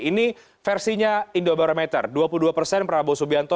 ini versinya indobarometer dua puluh dua persen prabowo subianto